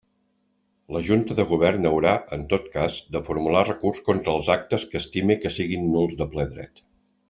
La Junta de Govern haurà, en tot cas, de formular recurs contra els actes que estime que siguen nuls de ple dret.